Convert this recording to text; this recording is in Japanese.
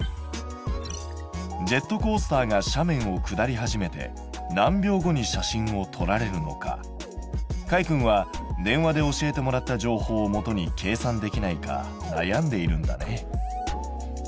ジェットコースターが斜面を下り始めて何秒後に写真を撮られるのかかいくんは電話で教えてもらった情報をもとに計算できないかなやんでいるんだね。